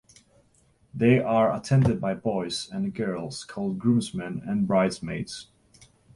They are attended by boys and girls called groomsmen and bridesmaids.